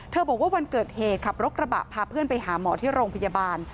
บอกว่าวันเกิดเหตุขับรถกระบะพาเพื่อนไปหาหมอที่โรงพยาบาล